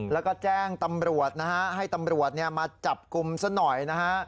แล้วก็แจ้งตำรวจนะฮะให้ตำรวจมาจับกลุ่มซะหน่อยนะฮะ